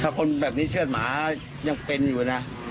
ถ้าคนแบบนี้เชื่อดหมายังเป็นอยู่นะ